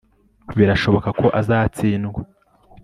Birashoboka ko azatsindwa